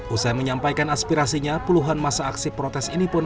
usai menyampaikan aspirasinya puluhan masa aksi protes ini pun